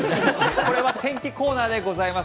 これはお天気コーナーでございます。